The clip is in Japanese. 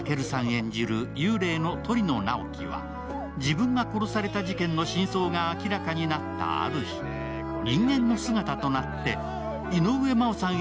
演じる、幽霊の鳥野直木は自分が殺された事件の真相が明らかになったある日、人間の姿となって井上真央さん